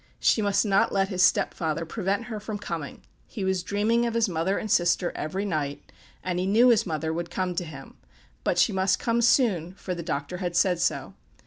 She must not let his step father prevent her from coming; he was dreaming of his mother and sister every night, and he knew his mother would come to him; but she must come soon, for the doctor had said so.